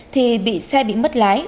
thì xe bị bất lái